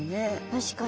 確かに。